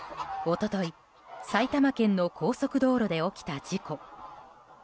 一昨日、埼玉県の高速道路で起きた事故。